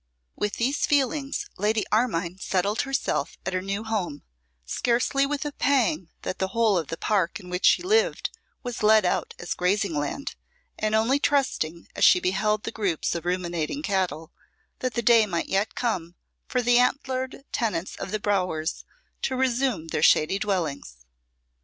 With these feelings Lady Armine settled herself at her new home, scarcely with a pang that the whole of the park in which she lived was let out as grazing ground, and only trusting, as she beheld the groups of ruminating cattle, that the day might yet come for the antlered tenants of the bowers to resume their shady dwellings.